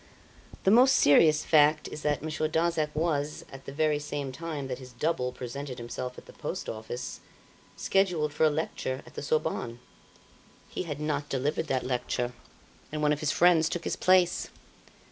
"The most serious fact is that Monsieur Darzac was, at the very same time that his double presented himself at the Post Office, scheduled for a lecture at the Sorbonne. He had not delivered that lecture, and one of his friends took his place.